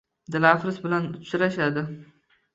Dilafruz bilan uchrashadi